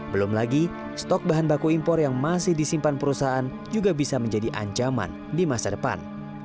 belum lagi stok bahan baku impor yang masih disimpan perusahaan juga bisa menjadi ancaman di masa depan